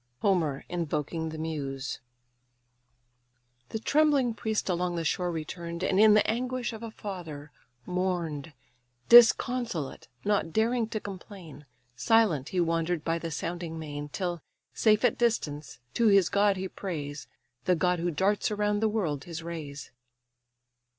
HOMER INVOKING THE MUSE The trembling priest along the shore return'd, And in the anguish of a father mourn'd. Disconsolate, not daring to complain, Silent he wander'd by the sounding main; Till, safe at distance, to his god he prays, The god who darts around the world his rays.